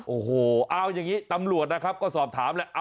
โอ้โหเอาอย่างนี้ตำรวจนะครับก็สอบถามแหละ